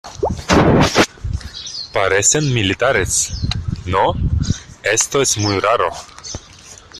parecen militares, ¿ no? esto es muy raro.